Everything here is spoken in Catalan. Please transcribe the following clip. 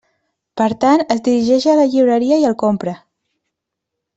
Per tant, es dirigeix a la llibreria i el compra.